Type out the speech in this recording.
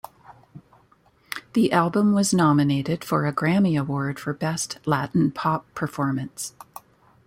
The album was nominated for a Grammy Award for Best Latin Pop Performance.